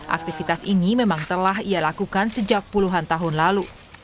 aktivitas ini memang telah ia lakukan sejak puluhan tahun lalu